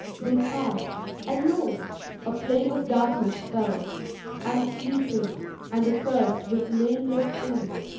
They passed, and lo! a plague of darkness fell. Unsleeping, and accurst with nameless things.